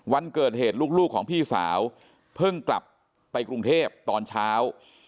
วันเกิดเหตุลูกของพี่สาวเพิ่งกลับไปกรุงเทพตอนเช้า